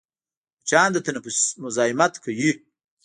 مچان د تنفس مزاحمت کوي